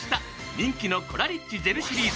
人気のコラリッチジェルシリーズ。